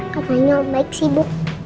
katanya om baik sibuk